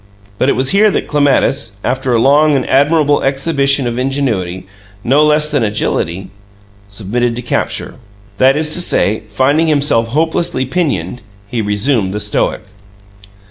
But it was here that Clematis, after a long and admirable exhibition of ingenuity, no less than agility, submitted to capture. That is to say, finding himself hopelessly pinioned, he resumed the stoic.